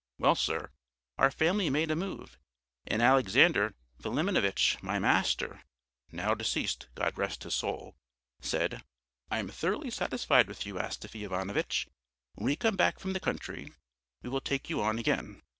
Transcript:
"Well, sir, our family made a move; and Alexandr Filimonovitch, my master (now deceased, God rest his soul), said, 'I am thoroughly satisfied with you, Astafy Ivanovitch; when we come back from the country we will take you on again.'